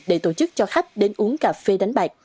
để tổ chức cho khách đến uống cà phê đánh bạc